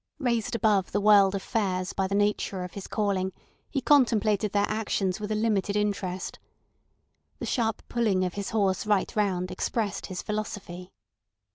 Raised above the world of fares by the nature of his calling, he contemplated their actions with a limited interest. The sharp pulling of his horse right round expressed his philosophy.